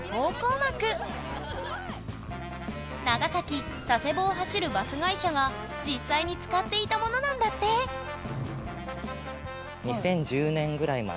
幕長崎・佐世保を走るバス会社が実際に使っていたものなんだってええっ！